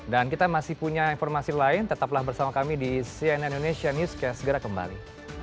dan kita masih punya informasi lain tetaplah bersama kami di cnn indonesia news kemudian segera kembali